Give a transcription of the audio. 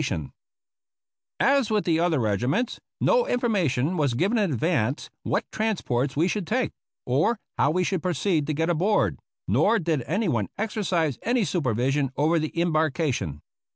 270 APPENDIX B As with the other regiments, no information was given in advance what transports we should take, or how we should proceed to get aboard, nor did anyone exercise any supervision over the embarkation.